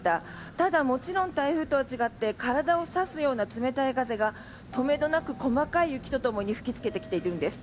ただ、もちろん台風とは違って体を刺すような冷たい風がとめどなく細かい雪とともに吹きつけているんです。